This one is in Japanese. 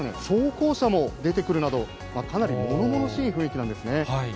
装甲車も出てくるなど、かなりものものしい雰囲気なんですね。